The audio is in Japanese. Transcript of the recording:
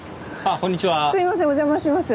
すいませんお邪魔します。